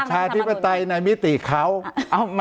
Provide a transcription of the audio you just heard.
ประชาธิปไตยในมิติเขา